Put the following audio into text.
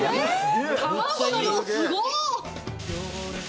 卵の量すご！